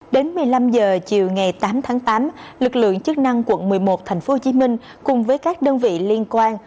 đến một mươi năm h chiều ngày tám tháng tám lực lượng chức năng quận một mươi một tp hcm cùng với các đơn vị liên quan